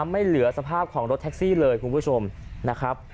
ไม่เหลือสภาพของรถแท็กซี่เลยคุณผู้ชมนะครับ